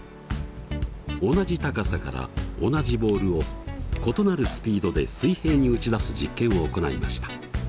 同じ高さから同じボールを異なるスピードで水平に打ち出す実験を行いました。